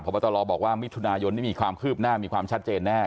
บตลบอกว่ามิถุนายนนี่มีความคืบหน้ามีความชัดเจนแน่